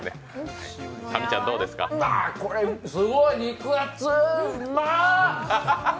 これ、すごい肉厚、うま！